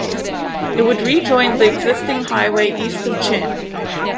It would rejoin the existing highway east of Chin.